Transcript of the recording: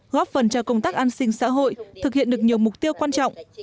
góp phần cho công tác an sinh xã hội thực hiện được nhiều mục tiêu quan trọng